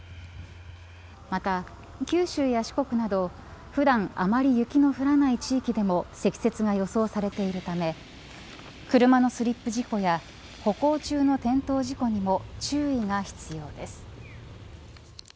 また、九州や四国など普段あまり雪の降らない地域でも積雪が予想されているため車のスリップ事故や歩行中の転倒事故にも注意が必要です。